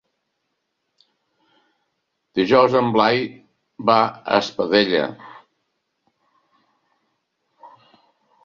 Dijous en Blai va a Espadella.